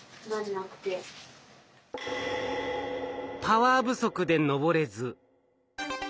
パワー不足で上れず。